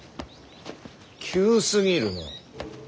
急すぎるな。